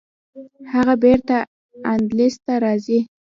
هغه بیرته اندلس ته راځي.